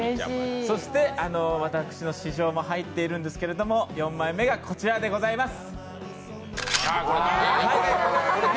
そして私の私情も入ってるんですけど４枚目がこちらです。